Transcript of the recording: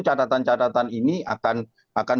catatan catatan ini akan